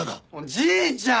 じいちゃん！